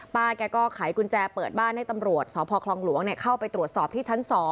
แกก็ไขกุญแจเปิดบ้านให้ตำรวจสพคลองหลวงเข้าไปตรวจสอบที่ชั้น๒